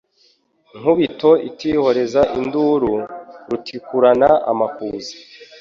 Nkubito itihoreza induru, Rutikurana amakuza